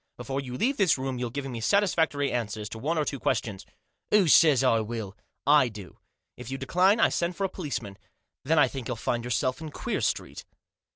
Before you leave this room you'll give me satisfactory answers to one or two ques tions." "Who says I will?" "I do. If you decline I send for a policeman. Then I think you'll find yourself in Queer Street."